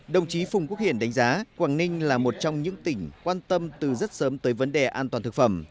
đồng chí phùng quốc hiển đánh giá quảng ninh là một trong những tỉnh quan tâm từ rất sớm tới vấn đề an toàn thực phẩm